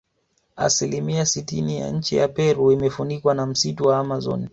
Asilimia sitini ya nchi ya Peru imefunikwa na msitu wa Amazon